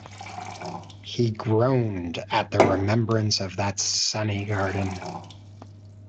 He groaned at the remembrance of that sunny garden.